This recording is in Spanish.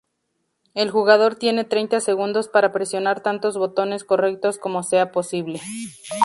El jugador tiene treinta segundos para presionar tantos botones correctos como sea posible.